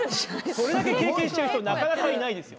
それだけ経験してる人なかなかいないですよ。